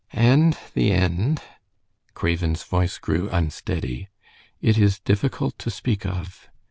And the end" Craven's voice grew unsteady "it is difficult to speak of.